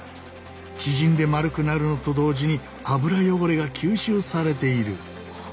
縮んで丸くなるのと同時に油汚れが吸収されている。